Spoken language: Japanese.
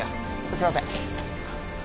すいません。